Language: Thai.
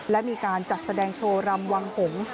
และมีการจัดแสดงโชว์รำวังหงษ์